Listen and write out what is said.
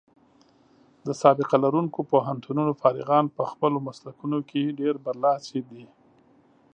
د سابقه لرونکو پوهنتونونو فارغان په خپلو مسلکونو کې ډېر برلاسي دي.